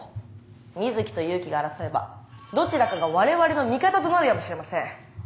水木と祐樹が争えばどちらかが我々の味方となるやもしれません。